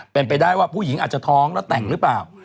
เป็นไปได้ว่าผู้หญิงอาจจะท้องแล้วแต่งหรือเปล่า